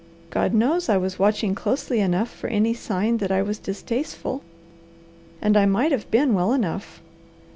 God knows I was watching closely enough for any sign that I was distasteful. And I might have been well enough.